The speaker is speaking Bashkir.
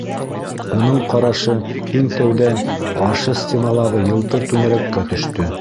Уның ҡарашы иң тәүҙә ҡаршы стеналағы йылтыр түңәрәккә төштө.